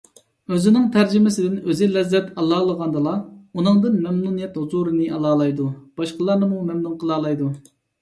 ئۆزىنىڭ تەرجىمىسىدىن ئۆزى لەززەت ئالالىغاندىلا، ئۇنىڭدىن مەمنۇنىيەت ھۇزۇرىنى ئالالايدۇ، باشقىلارنىمۇ مەمنۇن قىلالايدۇ.